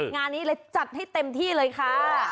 งานนี้เลยจัดให้เต็มที่เลยค่ะ